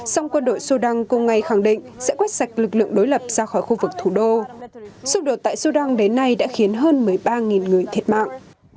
song quân đội sudan cùng ngày khẳng định sẽ quét sạch lực lượng đối lập ra khỏi khu vực thủ đô xung đột tại sudan đến nay đã khiến hơn một mươi ba người thiệt mạng